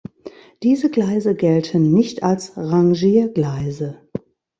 Diese Gleise gelten nicht als Rangiergleise.